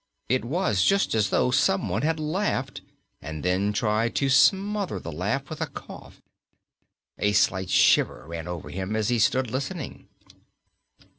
It was just as though someone had laughed and then tried to smother the laugh with a cough. A slight shiver ran over him as he stood listening.